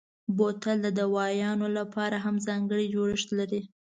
بوتل د دوایانو لپاره هم ځانګړی جوړښت لري.